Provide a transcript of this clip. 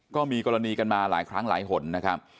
ก็มีกรณีกันมาหลายครั้งหลายหนนะครับ